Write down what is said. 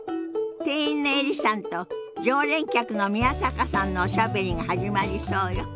店員のエリさんと常連客の宮坂さんのおしゃべりが始まりそうよ。